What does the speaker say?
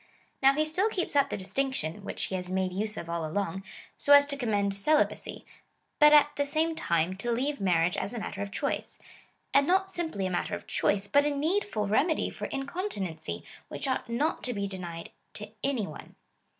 i Now he still keeps up the distinction, which he has made use of all along, so as to commend celibacy, but, at the same time, to leave marriage as a matter of choice ; and not simply a matter of choice, but a needful remedy for incontinency, which ought not to be denied to any one.